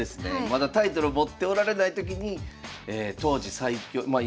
まだタイトルを持っておられない時に当時最強まあ